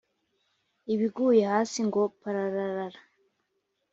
ibiguye hasi ngo pararara